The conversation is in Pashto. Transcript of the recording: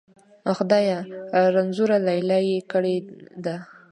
خدایه! رنځوره لیلا یې کړې ده.